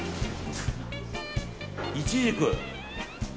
イチジク。